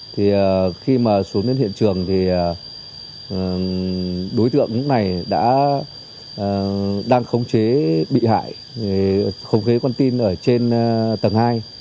thì khi mà xuống đến hiện trường thì đối tượng này đã đang khống chế bị hại khống chế con tin ở trên tầng hai